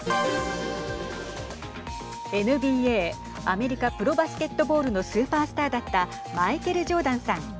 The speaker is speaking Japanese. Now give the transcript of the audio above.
ＮＢＡ＝アメリカプロバスケットボールのスーパースターだったマイケル・ジョーダンさん。